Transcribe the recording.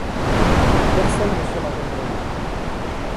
Personne ne sera jamais revue.